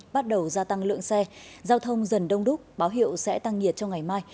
bắt đầu gia tăng lượng xe giao thông dần đông đúc báo hiệu sẽ tăng nhiệt trong ngày mai